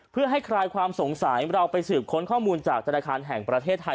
เพื่อให้คลายความสงสัยเราไปสืบค้นข้อมูลจากธนาคารแห่งประเทศไทย